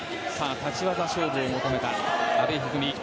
立ち技勝負を求めた阿部一二三。